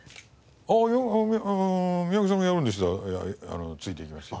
ああいや三宅さんがやるんでしたらついていきますよ。